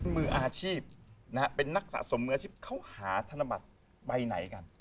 มืออาชีพเป็นนักสะสมมืออาชีพเขาหาธนบัตรใบไหนกัน